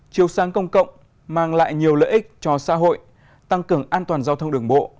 chiều sáng công cộng mang lại nhiều lợi ích cho xã hội tăng cường an toàn giao thông đường bộ